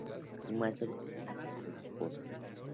Y más tarde se hace su esposa.